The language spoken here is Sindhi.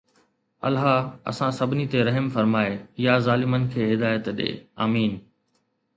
الله اسان سڀني تي رحم فرمائي يا ظالمن کي هدايت ڏي، آمين